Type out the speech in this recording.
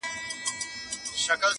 o مځکه هغه سوځي، چي اور پر بل وي!